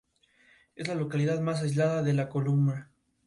En los Estados Unidos tampoco.